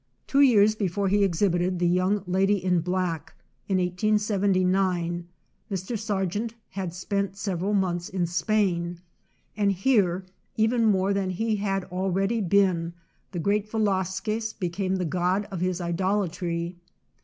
Two years before he exhibited the young lady in black, in 1879, Mr. Sargent had spent several months in Spain, and here, even more than he had already been, the great Velasquez became the god of his idolatry.